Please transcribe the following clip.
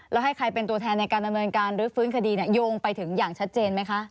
แล้วให้ใครเป็นตัวแทนในการดำเนินการรื้อฟื้นคดีโยงไปถึงอย่างชัดเจนไหมคะ